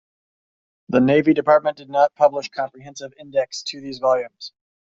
The Navy Department did not publish a comprehensive index to these volumes.